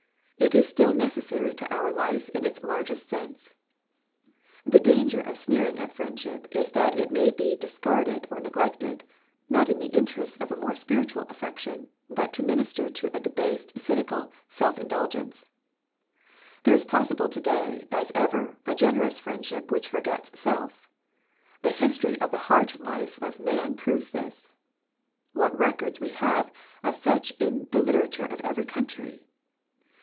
It is still necessary to our life in its largest sense. The dan ger of sneering at friendship is that it 17 Digitized by VjOOQIC THE MIRACLE OF FRIENDSHIP may be discarded or neglected, not in the interests of a more spiritual affection, but to minister to a debased cynical self in dulgence. There is possible to day, as ever, a generous friendship which forgets self. The history of the heart life of man proves this. What records we have of such in the literature of every country!